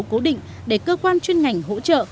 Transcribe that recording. cố định để cơ quan chuyên ngành hỗ trợ